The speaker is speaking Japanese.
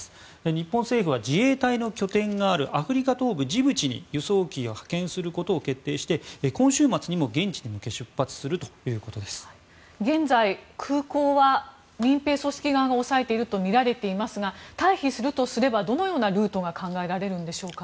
日本政府は自衛隊の拠点があるアフリカ東部ジブチに輸送機を派遣することを決定して今週末にも現地に向け現在、空港は民兵組織側が押さえているとみられていますが退避するとすればどんなルートが考えられるんでしょうか。